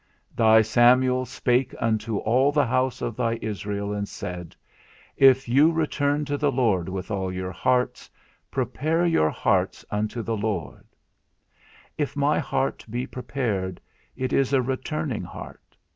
Thy Samuel spake unto all the house of thy Israel, and said, If you return to the Lord with all your hearts, prepare your hearts unto the Lord. If my heart be prepared, it is a returning heart.